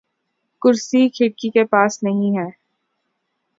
کرسی کھڑکی کے پاس نہیں ہے